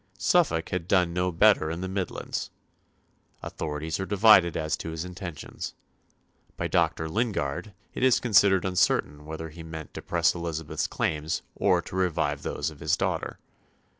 Suffolk had done no better in the Midlands. Authorities are divided as to his intentions. By Dr. Lingard it is considered uncertain whether he meant to press Elizabeth's claims or to revive those of his daughter.